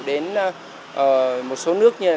đến một số nước như